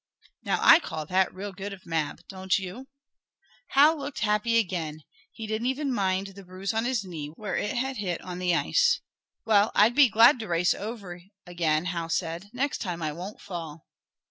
Now I call that real good of Mab. Don't you? Hal looked happy again. He didn't even mind the bruise on his knee, where it had hit on the ice. "Well, I'd be glad to race over again," Hal said. "Next time I won't fall."